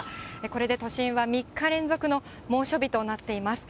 これで都心は３日連続の猛暑日となっています。